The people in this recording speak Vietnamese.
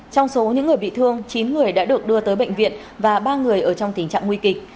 trong số những người bị thương chín người đã được đưa tới bệnh viện và ba người ở trong tình trạng nguy kịch